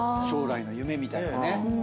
将来の夢みたいなね。